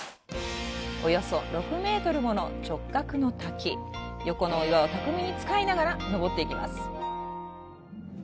およそ６ｍもの直角の滝横の岩を巧みに使いながら登っていきます